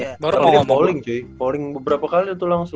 karena dia falling cuy falling beberapa kali tuh langsung